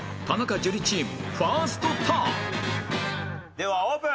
ではオープン！